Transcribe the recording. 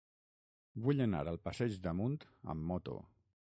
Vull anar al passeig d'Amunt amb moto.